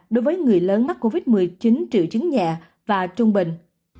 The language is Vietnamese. đối với người lớn mắc covid một mươi chín triệu chứng nhẹ và trung bình